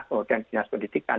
kemudian dinas pendidikan